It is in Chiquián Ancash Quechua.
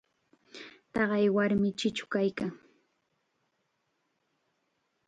Taqay warmim chichu kaykan.